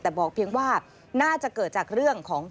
แต่บอกเพียงว่าน่าจะเกิดจากเรื่องของ